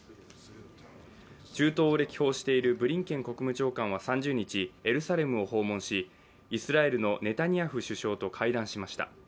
中東を歴訪しているブリンケン国務長官は３０日、イスラエルを訪問しイスラエルのネタニヤフ首相と会談しました。